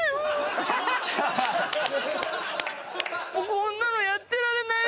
こんなのやってられない！